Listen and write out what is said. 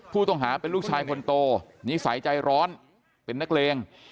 ผู้ต้องหาเป็นลูกชายคนโตนิสัยใจร้อนเป็นนักเลง